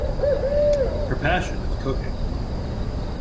Her passion is cooking.